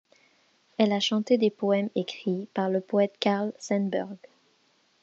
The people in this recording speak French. Elle a chanté des poèmes écrits par le poète Carl Sandburg.